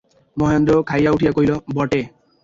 মহেন্দ্র খাইয়া উঠিয়া কহিল, বটে!